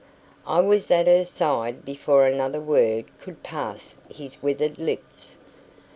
I was at her side before another word could pass his withered lips.